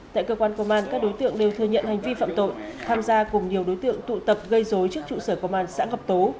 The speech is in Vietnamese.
tại cơ quan công an các đối tượng đều thừa nhận hành vi phạm tội tham gia cùng nhiều đối tượng tụ tập gây dối trước trụ sở công an xã ngọc tố